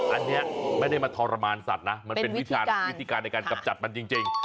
อันนี้ไม่ได้มาทรมานสัตว์นะมันเป็นวิธีการในการกำจัดมันจริง